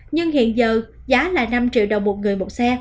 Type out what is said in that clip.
nhưng hiện giờ giá là năm triệu đồng một người một xe